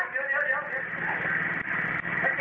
เอ้ยพี่ทำเด็กอย่างนี้ไม่ได้